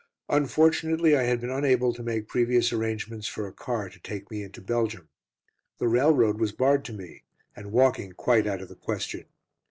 Unfortunately, I had been unable to make previous arrangements for a car to take me into Belgium. The railroad was barred to me, and walking quite out of the question.